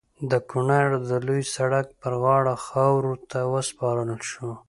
د کونړ د لوی سړک پر غاړه خاورو ته وسپارل شو.